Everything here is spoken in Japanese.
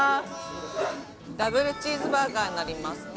ダブルチーズバーガーになりますね。